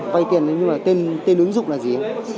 vay tiền nhưng mà tên ứng dụng là gì